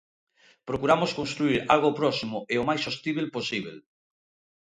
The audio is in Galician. Procuramos construír algo próximo e o máis sostíbel posíbel.